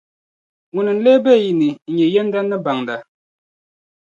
Ŋuni n-lee be yi ni n-nyɛ yɛndana ni baŋda?